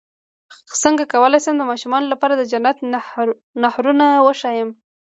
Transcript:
څنګه کولی شم د ماشومانو لپاره د جنت نهرونه وښایم